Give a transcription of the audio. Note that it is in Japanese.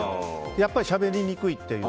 やっぱりしゃべりにくいって。